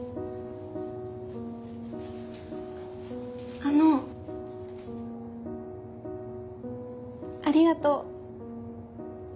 あのありがとう。